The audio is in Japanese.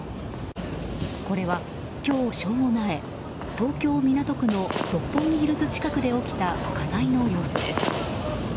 これは、今日正午前東京・港区の六本木ヒルズ近くで起きた火災の様子です。